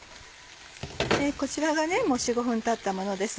こちらがもう４５分たったものです。